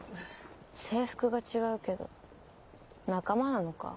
制服が違うけど仲間なのか？